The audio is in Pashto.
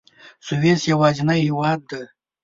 سویس یوازینی هېواد دی.